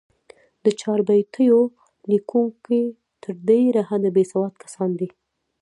د چاربیتو لیکوونکي تر ډېره حده، بېسواد کسان دي.